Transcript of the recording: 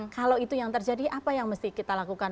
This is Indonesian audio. kalau itu yang terjadi apa yang mesti kita lakukan